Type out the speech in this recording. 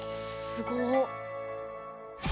すごっ！